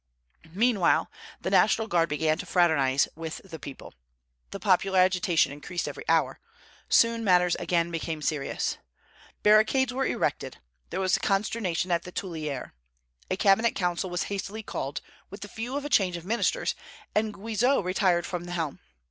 Meanwhile the National Guard began to fraternize with the people. The popular agitation increased every hour. Soon matters again became serious. Barricades were erected. There was consternation at the Tuileries. A cabinet council was hastily called, with the view of a change of ministers, and Guizot retired from the helm.